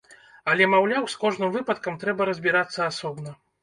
Але, маўляў, з кожным выпадкам трэба разбірацца асобна.